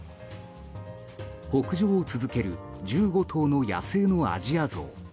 北上を続ける１５頭の野生のアジアゾウ。